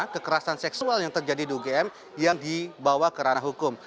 kekerasan seksual yang terjadi di ugm yang dibawa ke ranah hukum